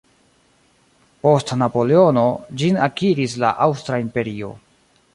Post Napoleono, ĝin akiris la Aŭstra imperio.